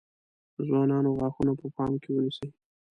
د ځوانانو غاښونه په پام کې ونیسئ.